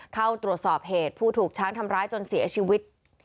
เข้าตรวจสอบเหตุผู้ถูกช้างทำร้ายจนเสียชีวิต